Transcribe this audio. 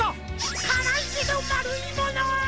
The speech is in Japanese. からいけどまるいもの！